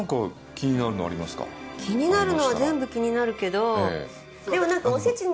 気になるのは全部気になるけどでもなんか。